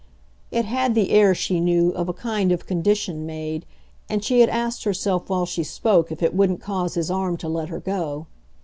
It had the air, she knew, of a kind of condition made, and she had asked herself while she spoke if it wouldn't cause his arm to let her go.